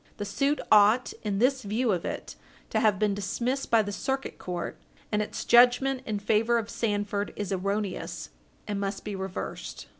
The suit ought, in this view of it, to have been dismissed by the Circuit Court, and its judgment in favor of Sandford is erroneous, and must be reversed.